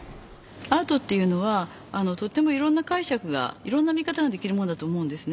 アートっていうのはとってもいろんなかいしゃくがいろんな見方ができるものだと思うんですね。